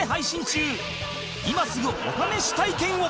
今すぐお試し体験を